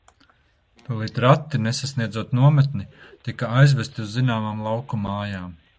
Tūlīt rati, nesasniedzot nometni, tika aizvesti uz zināmām lauku mājām.